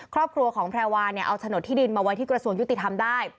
ครอบครัวของแพรวาเนี่ยเอาโฉนดที่ดินมาไว้ที่กระทรวงยุติธรรมได้